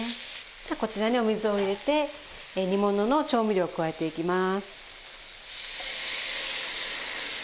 じゃあこちらにお水を入れて煮ものの調味料を加えていきます。